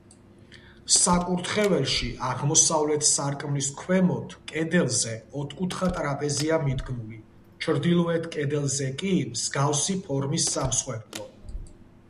საკურთხეველში, აღმოსავლეთ სარკმლის ქვემოთ, კედელზე, ოთხკუთხა ტრაპეზია მიდგმული, ჩრდილოეთ კედელზე კი, მსგავსი ფორმის სამსხვერპლო.